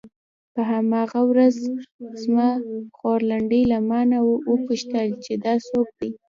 په هماغه ورځ زما خورلنډې له مانه وپوښتل چې دا څوک دی.